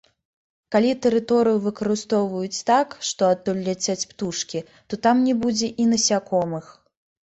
Калі тэрыторыю выкарыстоўваюць так, што адтуль ляцяць птушкі, то там не будзе і насякомых.